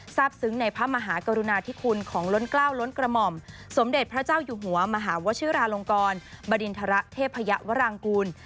ซึ้งในพระมหากรุณาธิคุณของล้นกล้าวล้นกระหม่อมสมเด็จพระเจ้าอยู่หัวมหาวชิราลงกรบดินทรเทพยวรางกูล